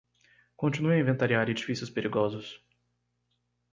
Continue a inventariar edifícios perigosos